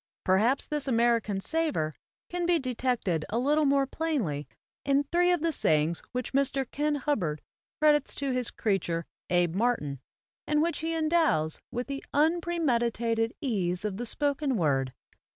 Perhaps this American savor can be detected a little more plainly in three of the sayings which Mr. Kin Hubbard credits to his creature, Abe Martin, and which he endows with the unpremeditated ease of the spoken word.